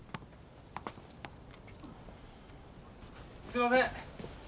すいません！